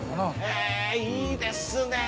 へぇいいですね！